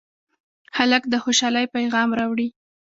هلک د خوشالۍ پېغام راوړي.